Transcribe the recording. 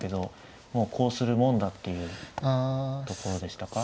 もうこうするもんだっていうところでしたか。